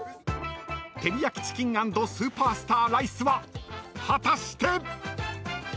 ［照り焼きチキン＆スーパースター・ライスは果たして⁉］